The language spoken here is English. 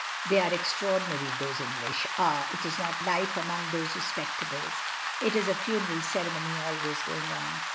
They are extraordinary, those English. Ah! it is not life among those re spectables! it is a funeral ceremony always going on.